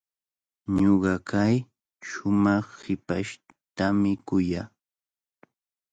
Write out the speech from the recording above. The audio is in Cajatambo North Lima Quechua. Ñuqa kay shumaq hipashtami kuyaa.